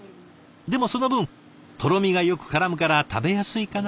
でもその分とろみがよくからむから食べやすいかな？